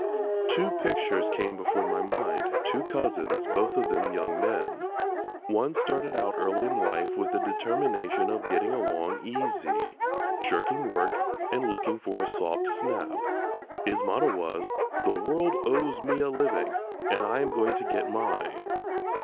Two pictures came before my mind: two cousins, both of them young men. One started out early in life with the determination of getting along "easy," shirking work, and looking for a soft snap. His motto was, "The world owes me a living, and I am going to get mine."